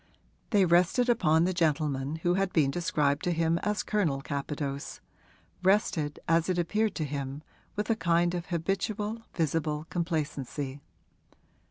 They rested upon the gentleman who had been described to him as Colonel Capadose rested, as it appeared to him, with a kind of habitual, visible complacency.